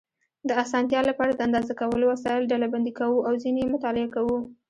د اسانتیا لپاره د اندازه کولو وسایل ډلبندي کوو او ځینې یې مطالعه کوو.